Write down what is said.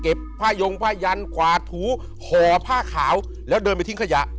ผ้ายงผ้ายันกวาดถูห่อผ้าขาวแล้วเดินไปทิ้งขยะ